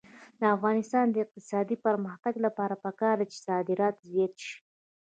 د افغانستان د اقتصادي پرمختګ لپاره پکار ده چې صادرات زیات شي.